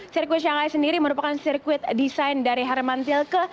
sirkuit shanghai sendiri merupakan sirkuit desain dari hermann tilke